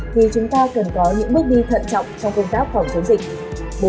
thì chúng ta cần có những bước đi thận trọng trong công tác phòng chống dịch